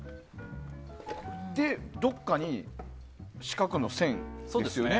で、どっかに四角の線ですよね。